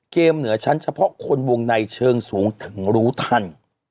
เหนือชั้นเฉพาะคนวงในเชิงสูงถึงรู้ทัน